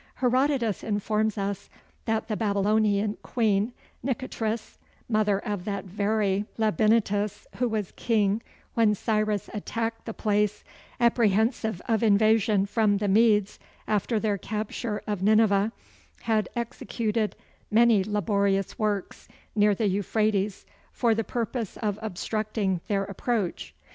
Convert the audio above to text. Herodotus informs us that the Babylonian queen Nitocris (mother of that very Labynetus who was king when Cyrus attacked the place) apprehensive of invasion from the Medes after their capture of Nineveh, had executed many laborious works near the Euphrates for the purpose of obstructing their approach.